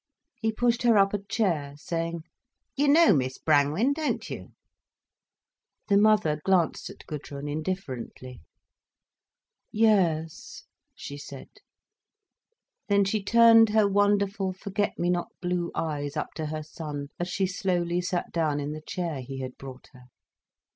He pushed her up a chair, saying "You know Miss Brangwen, don't you?" The mother glanced at Gudrun indifferently. "Yes," she said. Then she turned her wonderful, forget me not blue eyes up to her son, as she slowly sat down in the chair he had brought her.